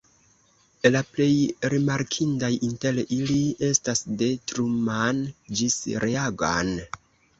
La plej rimarkindaj inter ili estas "De Truman ĝis Reagan.